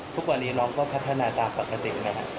ทุกวันนี้น้องก็พัฒนาตามปกตินะครับ